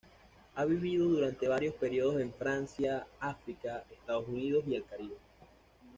Ha vivido durante varios períodos en Francia, África, Estados Unidos y el Caribe.